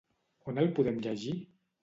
On el podem llegir?